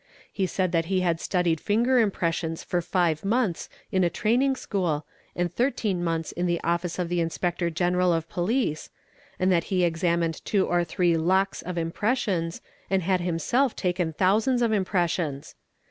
He said that he vad studied finger impressions for five months in a training school and '8 months in the Office of the Inspector General of Police, and that he lad examined two or three lakhs of impressions and had himself taken shhousands of impressions.